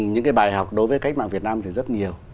những cái bài học đối với cách mạng việt nam thì rất nhiều